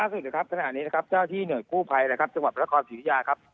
เหตุการณ์ล่าสุดขณะนี้เจ้าที่เหนือคู่ภัยจังหวัดพระราคอสิทธิญา